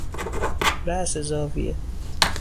راس زاویه